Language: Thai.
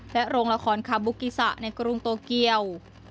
โรงละครคาบุกิสะในกรุงโตเกียว